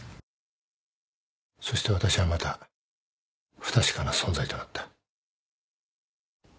そして私はまた不確かな存在となった。